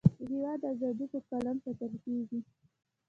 د هیواد اذادی په قلم ساتلکیږی